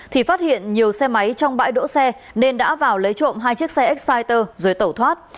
thì phát hiện nhiều xe máy trong bãi đỗ xe nên đã vào lấy trộm hai chiếc xe exciter rồi tẩu thoát